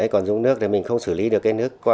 còn dùng nước mình không xử lý được cái nước qua